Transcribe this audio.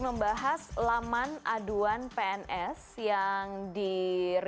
terima kasih sudah hadir